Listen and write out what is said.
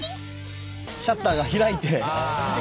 シャッターが開いて。